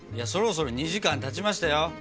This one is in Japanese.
そろそろ２時間たちましたよ。